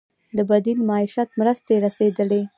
د بدیل معیشت مرستې رسیدلي؟